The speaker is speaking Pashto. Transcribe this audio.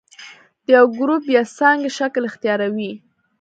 د یو ګروپ یا څانګې شکل اختیاروي.